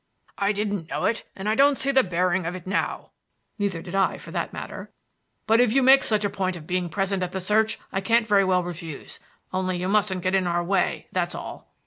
"I didn't know it, and I don't see the bearing of it now" (neither did I for that matter); "but if you make such a point of being present at the search, I can't very well refuse. Only you mustn't get in our way, that's all."